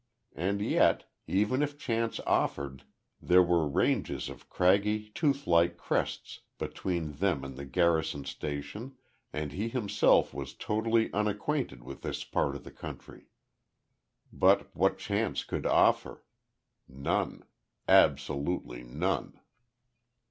And yet, even if chance offered, there were ranges of craggy, tooth like crests between them and the garrison station, and he himself was totally unacquainted with this part of the country. But what chance could offer? None. Absolutely none.